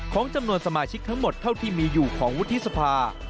ของจำนวนสมาชิกทั้งหมดเท่าที่มีอยู่ของวุฒิสภา